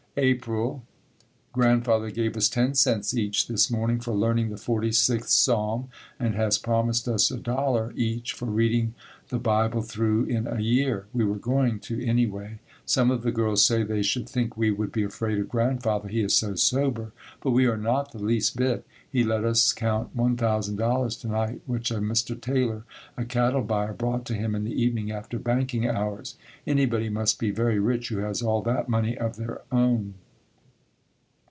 April. Grandfather gave us 10 cents each this morning for learning the 46th Psalm and has promised us $1 each for reading the Bible through in a year. We were going to any way. Some of the girls say they should think we would be afraid of Grandfather, he is so sober, but we are not the least bit. He let us count $1,000 to night which a Mr. Taylor, a cattle buyer, brought to him in the evening after banking hours. Anybody must be very rich who has all that money of their own.